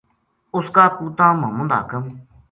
اس کا پُوتاں محمد حاکم